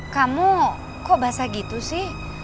kamu kok bahasa gitu sih